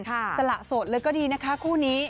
สละสดเลยก็ดีนะคะคู่นี้